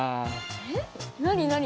えっ何何？